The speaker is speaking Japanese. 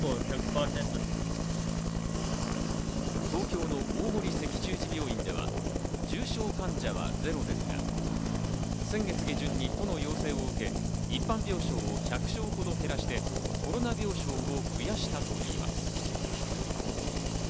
東京の大森赤十字病院では重症患者はゼロですが先月下旬に都の要請を受け、一般病床を１００床ほど減らしてコロナ病床を増やしたといいます。